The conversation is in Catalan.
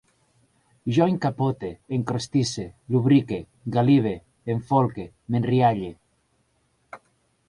Jo encapote, encrostisse, lubrifique, galibe, enfolque, m'enrialle